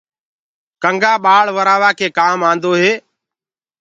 ڪنٚگآ ٻݪورآوآ ڪي ڪآم آندو هي۔